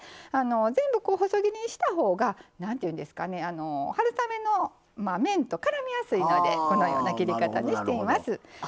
全部細切りにしたほうが春雨の麺と、からみやすいのでこのような切り方にしています。